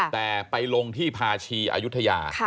แต่ไปลงที่ภาชีอายุทยา